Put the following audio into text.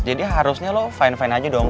jadi harusnya lo fine fine aja dong